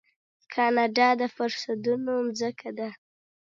کاناډا د فرصتونو ځمکه ده.